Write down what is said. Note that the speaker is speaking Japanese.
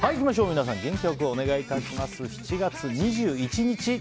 みなさん元気良くお願いします。